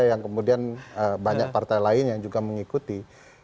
yang kemudian banyak partai lain yang juga mengikuti